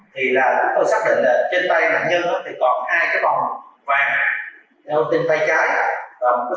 thì là chúng tôi xác định là trên tay nạn nhân thì còn hai cái bồng hoàng đeo tên tay trái